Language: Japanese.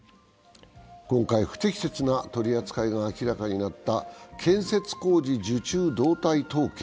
今回不適切な扱いが明らかになった建設工事受注動態統計。